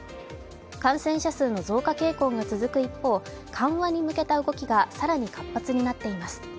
感染者数の増加傾向が続く一方、緩和に向けた動きが更に活発になっています。